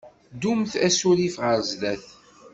Ddumt asurif ɣer sdat.